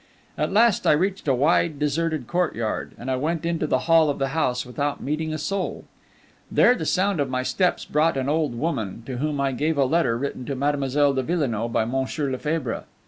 At last I reached a wide, deserted courtyard, and I went into the hall of the house without meeting a soul. There the sound of my steps brought out an old woman, to whom I gave a letter written to Mademoiselle de Villenoix by Monsieur Lefebvre.